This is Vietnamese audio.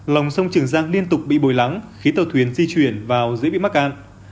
lòng sông trường giang liên tục bị bồi lắng khi tàu thuyền di chuyển vào dưới bị mắc cạn